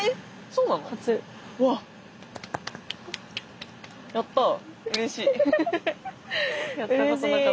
うれしい。